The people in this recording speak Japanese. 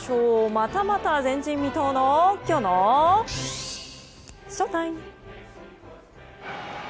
またまた前人未到のきょうのＳＨＯＴＩＭＥ。